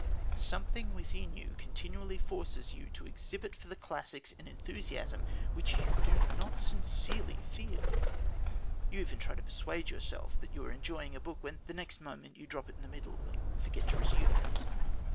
Something within you continually forces you to exhibit for the classics an enthusiasm which you do not sincerely feel. You even try to persuade yourself that you are enjoying a book, when the next moment you drop it in the middle and forget to resume it.